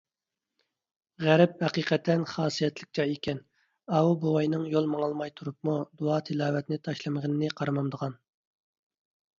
غەرب ھەقىقەتەن خاسىيەتلىك جاي ئىكەن، ئاۋۇ بوۋاينىڭ يول ماڭالماي تۇرۇپمۇ دۇئا - تىلاۋەتنى تاشلىمىغىنىنى قارىمامدىغان!